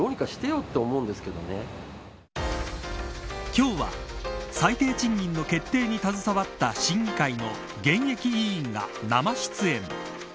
今日は最低賃金の決定に携わった審議会の現役委員が生出演。